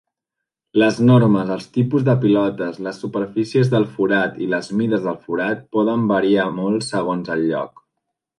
Les normes, els tipus de pilotes, les superfícies del forat i les mides del forat poden variar molt segons el lloc.